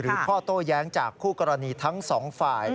ข้อโต้แย้งจากคู่กรณีทั้งสองฝ่าย